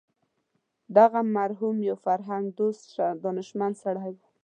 دغه مرحوم یو فرهنګ دوست دانشمند سړی و.